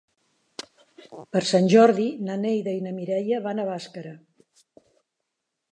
Per Sant Jordi na Neida i na Mireia van a Bàscara.